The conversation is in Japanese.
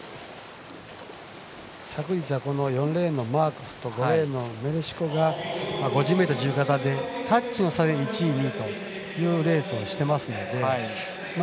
昨日は４レーンのマークスと５レーンのメレシコが５０ｍ自由形でタッチの差で１位、２位というレースをしてますので。